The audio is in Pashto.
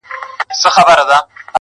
راسه د زړه د سکون غيږي ته مي ځان وسپاره.